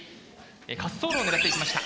滑走路を狙っていきました。